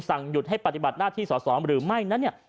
สั่งหยุดให้ปฏิบัติหน้าที่สอบสอบหรือไม่